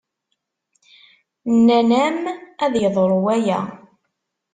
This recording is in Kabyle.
Nnan-am ad yeḍru waya.